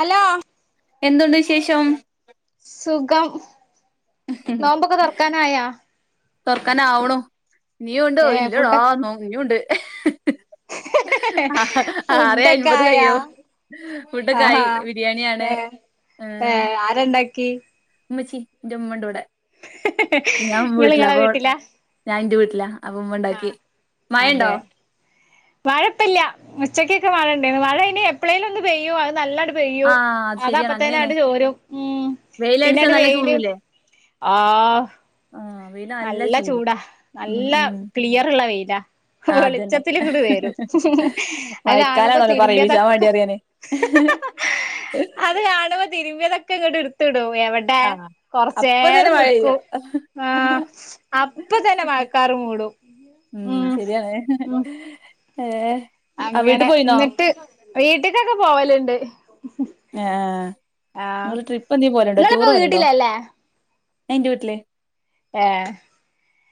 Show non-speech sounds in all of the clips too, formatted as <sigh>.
Hello? എന്തുണ്ട് വിശേഷം? സുഖം നോമ്പൊക്കെ തറക്കാനായാ. തുറക്കാന ആവ്ണ് നീ ഉണ്ടോ ഇല്ലടോ ആ നോ നനീ ഉണ്ട്. ആറെ ഫുഡ് ഒക്കെ അൻപത് ആയോ കഴിയും ഫുഡൊക്കെ ആയി ആഹാ ബിരിയാണിയാണ് ഏ ഏഹ് ആരെണ്ടാക്കി. ഉമ്മച്ചി ന്റെമ്മണ്ടോടെ? ഹെ ഹെ നി <unintelligible> ഞാൻ എന്റെ വീട്ടില അപ്പ ഇമ്മ ആ ഉണ്ടാക്കി മഴണ്ടോ? അതെ മഴപ്പല്ല ഉച്ചക്കൊക്കെ മഴ ഉണ്ടായിരുന്നു. മഴ ഇനി എപ്പോഴേലും ഒന്ന് പെയ്യോ അത്. നല്ല വെയ്യു ആഹ് അത് അത ശരിയാണ് അങ്ങനെയാണ് അപ്പത്തേനായിട്ട് ചോരും ഉ വെയിലടിച്ചാ പിന്നെട്ട് നല്ല വെയില്. ചൂടൂല്ലേ ആഹ ആഹ് വെയില് നല്ല ചൂടും ചൂടാ ഉം നല്ല ഉം ക്ലിയർള്ള വെയിലാ. ആ അതന്നെ വെളിച്ചത്തി ഇൂടി വരും. അത് കാണുമ്പോ മഴക്കാലാണല്ലോ പറയിപ്പിച്ചാൻ തിരുമ്പിയതൊക്കെ വേണ്ടി അറിയാന് <unintelligible> അത് കാണുമ്പോ തിര്മ്പ്യതൊക്കെ ഇങ്ങോട്ട് ഇടുത്ത് എവിടെ ആഹ് കൊറച്ച അപ്പൊ തന്നെ നേരം മഴ പെയ്യും നിക്കൂം. ആഹ അപ്പ തന്നെ മഴക്കാർ മൂടും. ഉ ഉ ഏ അങ്ങനെ എന്നിട്ട് വീട്ട്ക്കൊക്കെ പോവലുണ്ട് ആ ആഹ് നിങ്ങള്ൾ ട്രിപ്പ് എന്തേും പോലണ്ടോ? നിങ്ങളിപ്പോ ടൂറ് പോലണ്ടോ? വീട്ടിലല്ലേ എന്റെ വീട്ടില് ആഏ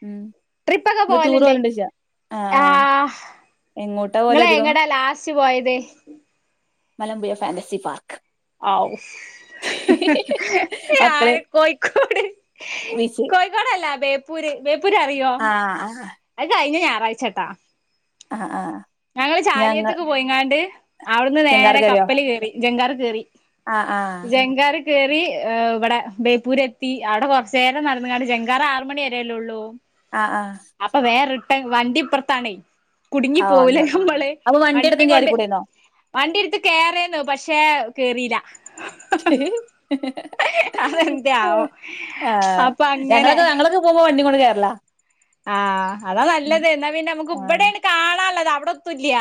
ഉം ട്രിപ്പൊക്കെ ഇങ്ങള് ടൂറ് പോവലുണ്ട്. പോവലുണ്ടോയ്ച്ചാ ആഹ് ആഹ് ആഹ എങ്ങോട്ടാ പോവല് നിങ്ങളെ അധികം എങ്ങടാ ലാസ്റ്റ് പോയത്. Malampuzha fantasy park. ആ മക്കള് ഞാന് കോയിക്കോട്. കോയ്ക്കോട് അല്ല ബേപ്പൂര്. ബേപ്പൂര് അറിയോ ആഹ ആ അത് കഴിഞ്ഞ ഞായറാഴ്ചേട്ടാ ആഹ് ആഹ് ഞങ്ങള് ഞങ്ങൾ ചാലിയത്തേക്ക് പോയിങ്ങാണ്ട്. അവിടുന്ന് ചെങ്കാർ നേരെ കേറിയോ കപ്പല് കേറി ജങ്കാർ കറി ആഹ് ആഹ് ജങ്കാർകേറി കയറി ഇവിടെ ബേപ്പൂര്ത്തി അവിടെ കുറച്ച നേരം നടന്നകാണ്ട് ജെങ്കാറ ആറ മണി വരല്ലേ ഉള്ളൂ. ആ ആ അപ്പൊ വേറെ റിട്ടൺ വണ്ടി ഇപ്പുറത്താണേ കുടുങ്ങി ഓഹ് പോകലേ അങ്ങനെ നമ്മള് അപ്പൊ വണ്ടി എടുക്കും വണ്ടിയും കൊണ്ട് കേറിക്കൂടേന്നോ വണ്ടി എടുത്ത് കേയറന്നു പക്ഷെ പക്ഷെ കേറിയില്ല അതെന്തേ ആവോ ആ അപ്പൊ അങ്ങനെ ഞങ്ങളൊക്കെ ഞങ്ങളൊക്കെ പോകുമ്പോ വണ്ടി കൊണ്ട് കേറല ആഹ് അതാ നല്ലത് എന്നാ പിന്നെ നമുക്ക് ആഹ് ഇവിടെയാണ് കാണാുള്ളത് അവിടെ എത്തുല്ല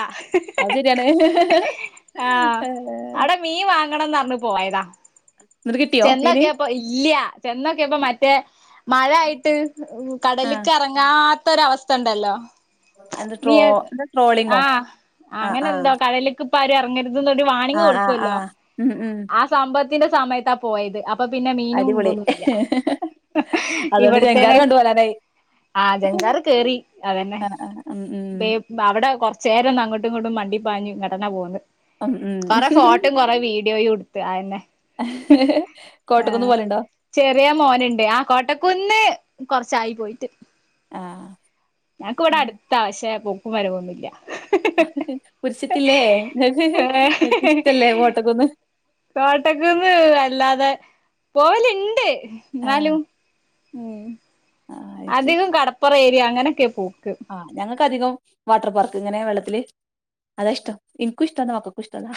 അത് ശരിയാണ് ആഹ് ഏഹ് അവിടെ മീൻ വാങ്ങണന്ന് പറഞ്ഞു പോയതാ എന്നിട്ട് കിട്ടിയോ മീന് ചെന്നൊക്കെപ്പോ ഇല്യ ചെന്നൊക്കെപ്പോ മറ്റേ മഴ ആയിട്ട് ആഹ് കടല്ക്ക് ഇറങ്ങാത്തൊര അവസ്ഥ ഉണ്ടല്ലോ എന്താ നീ ട്രോ എന്താ ട്രോളിങ്ങോ ആഹ് ആഹ് അങ്ങനെ ആഹ് എന്തോ കടല്ക്ക് ഇപ്പം ആരും എറങ്ങരുത് ഇതൊന്ന ഒരു വാണിങ് ആഹ് ആഹ് കൊടുക്കുല്ലോ ആഹ് ഉം ഉം ആ സംഭവത്തിന്റെ സമയത്താ പോയത് അപ്പൊ പിന്നെ മീനും അടിപൊളി ഉപോന്നുംല്ല അതുകൊണ്ട് ഇവിടത്തേ ജങ്കാറ് കണ്ടു വരാനായി ആ ജംഗ്‌ർ കേറി അതെന്നെ ആഹ് ആഹ് ഉം ഉം പേ അവിടെ കൊറചെരോന്ന് അങ്ങോട്ടും ഇങ്ങോട്ടും മണ്ടി പാഞ്ഞു ഇങ്ങട്ടെന്നേ പോന്ന് ഉം ഉം കൊറെ ഫോട്ടോയും കൊറ വീഡിയോയുംടുത്ത് അയന്നെ ആ കോട്ടക്കുന്ന് പോവലുണ്ടോ ചെറിയ മോനുണ്ട് ആഹ് കോട്ടക്കുന്ന് കൊറച്ചായി പോയിട്ട് ആഹ് ഞങ്ങക്ക് ഇവിടെ അടുത്ത പക്ഷെ പോക്കും വരവൊന്നുല്ല കുരിഷിട്ടില്ലേ ഇങ്ങക്ക് ഇഷ്ടല്ലേ കോട്ടക്കുന്ന് കോട്ടക്കുന്ന് വല്ലാതെ പോവലുണ്ട് ആഹ് ന്നാലും ആഹ് അയച്ചു അധികം കടപ്പുറം ഏരിയ അങ്ങനെയൊക്കെ പോവു ആ ഞങ്ങക്ക് അധികം വാട്ടർ പാർക്ക് ഇങ്ങനെ വെള്ളത്തില് അതാ ഇഷ്ടം ഇനക്കുഇഷ്ടതാ ഇന്റെ മക്കക്കും ഇഷ്ടതാ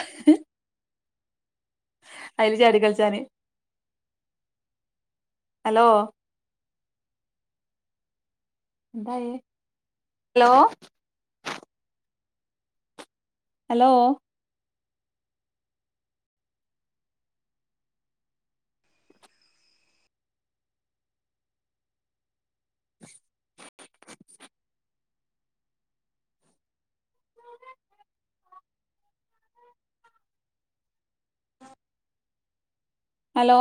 അയിൽ ചാടി കളിച്ചാന് ഹലോ എന്തായേ ഹലോ ഹലോ ഉ ആ ഹലോ